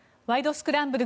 スクランブル」